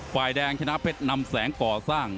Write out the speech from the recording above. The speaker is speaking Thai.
ไฟแดงชนะเพชรนำแสงก่อซาน